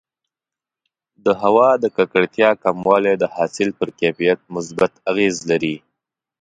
د هوا د ککړتیا کموالی د حاصل پر کیفیت مثبت اغېز لري.